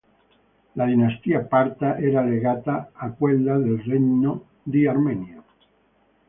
La dinastia "parta" era legata a quella del regno di Armenia.